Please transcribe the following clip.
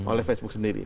oleh facebook sendiri